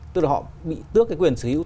tức là họ bị tước cái quyền sở hữu